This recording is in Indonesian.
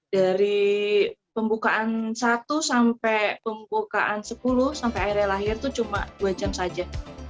dari pembukaan satu sampai pembukaan sepuluh sampai akhirnya lahir itu cuma dua jam saja